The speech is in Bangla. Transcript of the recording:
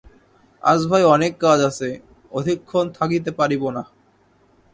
আজ ভাই অনেক কাজ আছে, অধিকক্ষণ থাকিতে পারিব না।